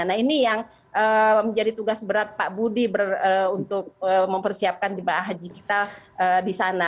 nah ini yang menjadi tugas berat pak budi untuk mempersiapkan jemaah haji kita di sana